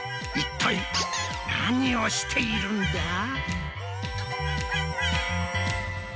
一体何をしているんだ？